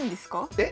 えっ？